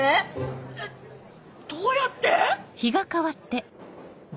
えっどうやって？